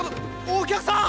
お客さん